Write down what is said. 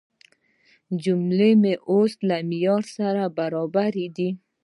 جملې مې اوس له معیار سره برابرې دي.